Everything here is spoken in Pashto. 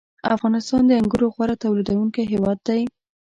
• افغانستان د انګورو غوره تولیدوونکی هېواد دی.